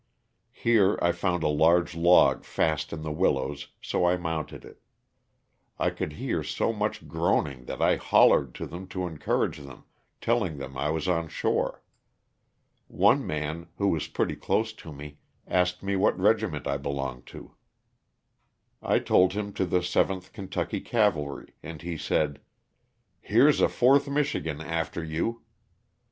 Here I found a large log fast ia the willows so I mounted it. I could hear so much groaning that I *^hollered" to them to encourage them, telling them I was on shore. One man, who was pretty close to me, asked me what regiment I belonged to. I told him to the 7th Kentucky Cavalry, and he said, '^here's a 4th Michigan after you."